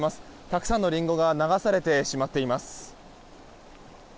たくさんのリンゴが流されてしまっています。